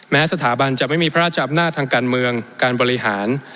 สถาบันจะไม่มีพระราชอำนาจทางการเมืองการบริหาร